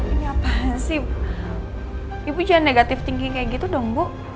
ini apaan sih ibu jangan negatif thinking kayak gitu dong bu